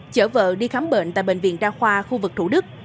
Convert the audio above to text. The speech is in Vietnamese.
chở vợ đi khám bệnh tại bệnh viện đa khoa khu vực thủ đức